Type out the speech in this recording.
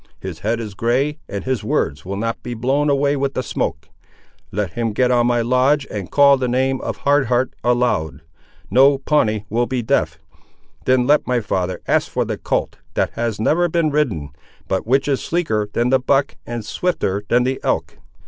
His head is grey, and his words will not be blown away with the smoke. Let him get on my lodge, and call the name of Hard Heart aloud. No Pawnee will be deaf. Then let my father ask for the colt, that has never been ridden, but which is sleeker than the buck, and swifter than the elk."